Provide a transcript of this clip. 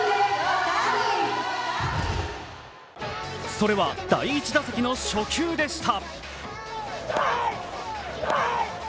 それは第１打席の初球でした。